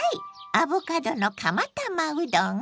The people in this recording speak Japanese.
アボカドの釜玉うどん。